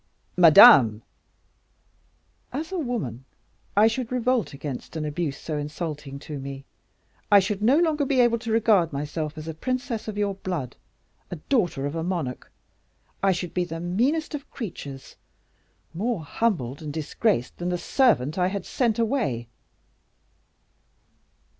"Madame!" "As a woman, I should revolt against an abuse so insulting to me; I should no longer be able to regard myself as a princess of your blood, a daughter of a monarch; I should be the meanest of creatures, more humbled and disgraced than the servant I had sent away."